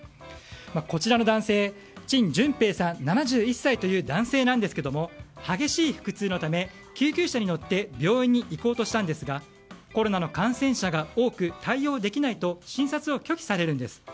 こちらの男性、陳順平さん、７１歳という男性ですが、激しい腹痛のため救急車に乗って病院に行こうとしたんですがコロナの感染者が多く対応できないと診察を拒否されるんです。